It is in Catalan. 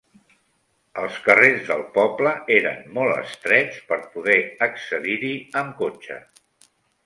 Els carrers del poble eren molt estrets per poder accedir-hi amb cotxe.